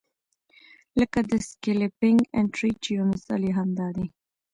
لکه د سکیلپنګ انټري چې یو مثال یې هم دا دی.